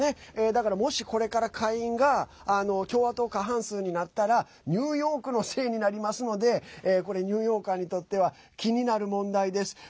だから、もしこれから下院が共和党過半数になったらニューヨークのせいになりますのでニューヨーカーにとっては気になる問題です。